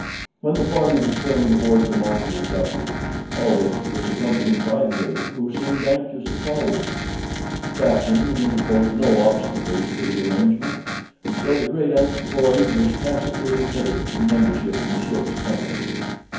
When the party returned aboard the Marjorie W., Paulvitch was accompanied by the ape, who seemed anxious to follow him. The captain interposed no obstacles to the arrangement, and so the great anthropoid was tacitly admitted to membership in the ship's company.